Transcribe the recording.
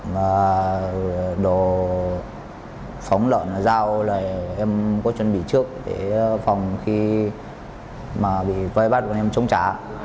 và đồ phóng lợn dao là em có chuẩn bị trước để phòng khi mà bị vây bắt em chống trá